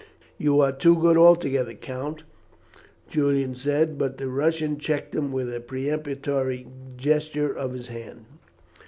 "You are too good altogether, Count," Julian said; but the Russian checked him with a peremptory gesture of his hand.